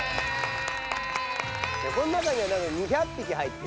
この中には２００ぴき入ってる。